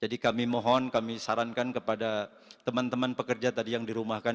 jadi kami mohon kami sarankan kepada teman teman pekerja tadi yang dirumahkan